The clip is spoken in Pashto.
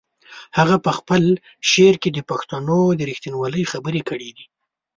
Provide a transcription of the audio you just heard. هغه په خپل شعر کې د پښتنو د رښتینولۍ خبرې کړې دي.